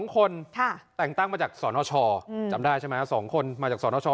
๒คนแต่งตั้งมาจากสนชจำได้ใช่ไหม๒คนมาจากสนช